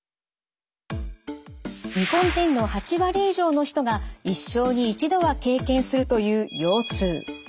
日本人の８割以上の人が一生に一度は経験するという腰痛。